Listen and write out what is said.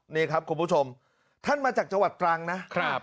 นี่ครับคุณผู้ชมท่านมาจากจังหวัดตรังนะครับ